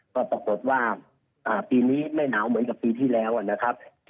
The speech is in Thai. ก็ปรากฏว่าปีนี้ไม่หนาวเหมือนกับปีที่แล้วนะครับ